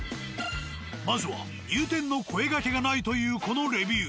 まずは入店の声がけがないというこのレビュー。